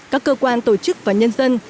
các cơ quan tổ chức và nhân dân